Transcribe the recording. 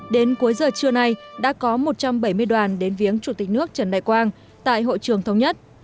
đến cuối giờ trưa nay đã có một trăm bảy mươi đoàn đến viếng chủ tịch nước trần đại quang tại hội trường thống nhất